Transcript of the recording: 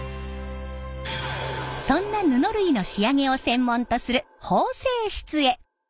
そんな布類の仕上げを専門とする縫製室へ。